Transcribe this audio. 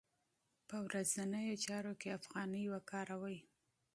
په ورځنیو چارو کې افغانۍ وکاروئ.